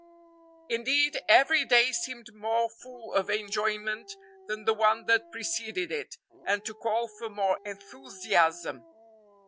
Indeed, every day seemed more full of enjoyment than the one that preceded it and to call for more enthusiasm.